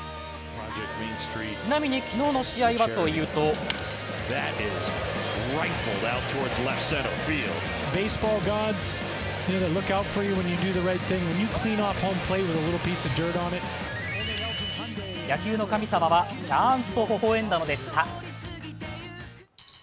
ちなみに昨日の試合はというと野球の神様はちゃんとほほえんだのでした。